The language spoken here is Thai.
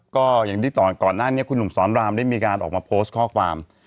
ก็อย่างที่ก่อนหน้านี้คุณหนุ่มสอนรามได้มีการออกมาโพสต์ข้อความ